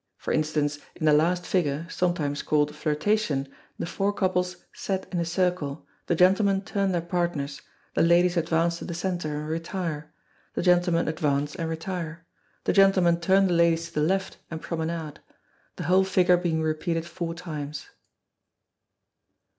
For instance, in the last figure, sometimes called Flirtation, the four couples set in a circle, the gentlemen turn their partners, the ladies advance to the centre and retire, the gentlemen advance and retire; the gentlemen turn the ladies to the left and promenade: the whole figure being repeated four times.